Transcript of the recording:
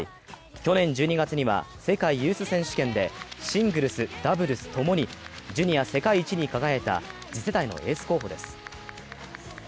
去年１２月には世界ユース選手権でシングルス、ダブルス共にジュニア世界一に輝いた次世代のエース候補です。